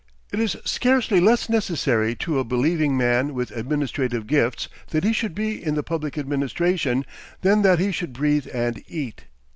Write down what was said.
It is scarcely less necessary to a believing man with administrative gifts that he should be in the public administration, than that he should breathe and eat.